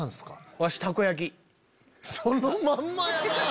そのまんまやな！